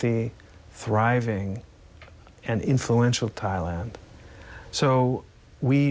อย่างไรคุณจะทำแล้วครับ